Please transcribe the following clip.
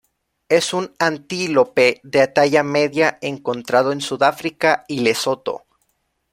Es un antílope de talla media encontrado en Sudáfrica y Lesoto.